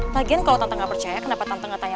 lagian kalau tante gak percaya kenapa tante gak tanya